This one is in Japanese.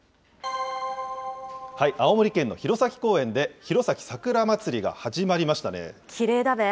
青森県の弘前公園で、弘前さくらまつりが始まりましたね。